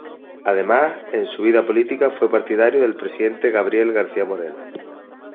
Además, en su vida política fue partidario del presidente Gabriel García Moreno.